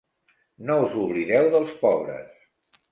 No us oblideu dels pobres.